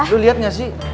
lo liat gak sih